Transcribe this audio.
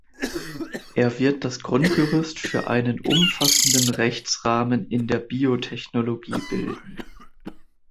Er wird das Grundgerüst für einen umfassenden Rechtsrahmen in der Biotechnologie bilden.